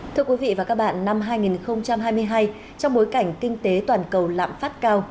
thưa quý vị và các bạn năm hai nghìn hai mươi hai trong bối cảnh kinh tế toàn cầu lạm phát cao